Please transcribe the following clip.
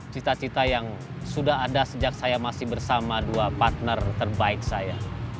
cita cita yang sudah ada sejak saya masih bersama dua partner terbaik saya